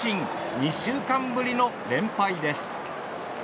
２週間ぶりの連敗です。